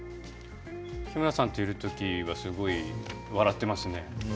日村さんといるとすごい笑っていますね。